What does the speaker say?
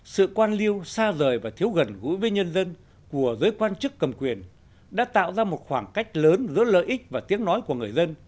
sự quan liêu xa rời và thiếu gần gũi với nhân dân của giới quan chức cầm quyền đã tạo ra một khoảng cách lớn giữa lợi ích và tiếng nói của người dân